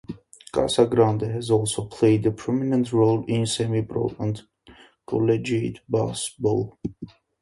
Casa Grande has also played a prominent role in semi-pro and collegiate baseball.